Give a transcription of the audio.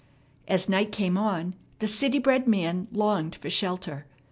As night came on, the city bred man longed for shelter.